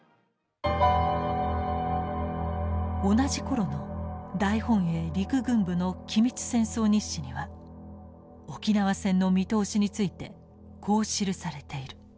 同じ頃の大本営陸軍部の機密戦争日誌には沖縄戦の見通しについてこう記されている。